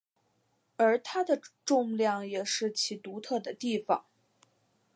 而它的重量也是其独特的地方。